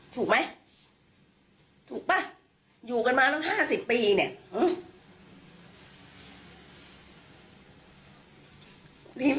ถูกไหมถูกป่ะอยู่กันมาตั้งห้าสิบปีเนี่ยอืม